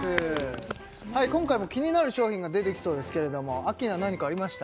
今回も気になる商品が出てきそうですけれどもアッキーナ何かありました？